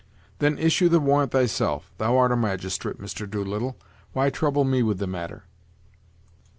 "Then issue the warrant thyself; thou art a magistrate, Mr. Doolittle; why trouble me with the matter?"